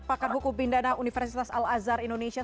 pakar hukum pidana universitas al azhar indonesia